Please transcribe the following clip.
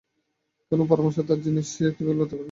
কোন পরামর্শ আছে এই জিনিসের সাথে কিভাবে লড়তে হবে?